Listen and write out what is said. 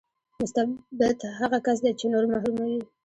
مستبد هغه کس دی چې نور محروموي.